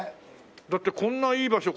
だってこんないい場所